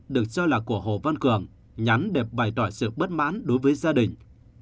được cho là của hồ văn cường nhắn đẹp bày tỏ sự bất mãn đối với gia đình